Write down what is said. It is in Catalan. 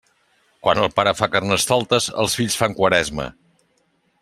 Quan el pare fa Carnestoltes, els fills fan Quaresma.